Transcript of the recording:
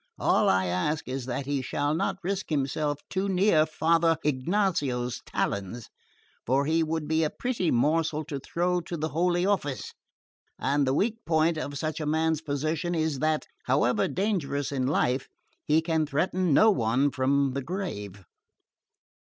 All I ask is that he shall not risk himself too near Father Ignazio's talons, for he would be a pretty morsel to throw to the Holy Office, and the weak point of such a man's position is that, however dangerous in life, he can threaten no one from the grave."